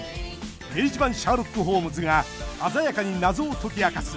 明治版シャーロック・ホームズが鮮やかに謎を解き明かす